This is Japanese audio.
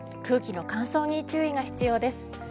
空気の乾燥に注意が必要です。